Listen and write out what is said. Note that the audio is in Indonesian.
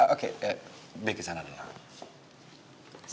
oke bi kesana dulu